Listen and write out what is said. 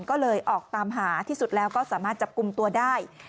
ก็เลยออกตามหาที่สุดแล้วก็สามารถจับกลุ่มตัวได้